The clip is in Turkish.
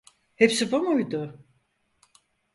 Hepsi bu muydu?